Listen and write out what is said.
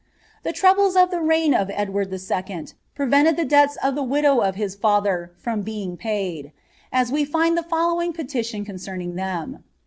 ' The troubles of the reign of Edward IL prevented the debts of the widow of his father from oeing paid ; a* we find the following petition concerning them.